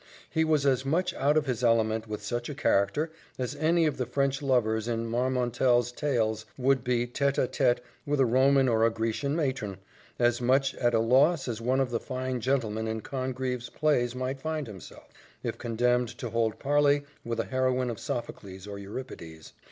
He was as much out of his element with such a character as any of the French lovers in Marmontel's Tales would be tête à tête with a Roman or a Grecian matron as much at a loss as one of the fine gentlemen in Congreve's plays might find himself, if condemned to hold parley with a heroine of Sophocles or of Euripides.